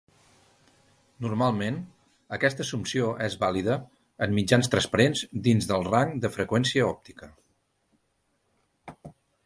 Normalment, aquesta assumpció és vàlida en mitjans transparents dins del rang de freqüència òptica.